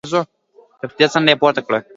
د پردې څنډه يې پورته کړه.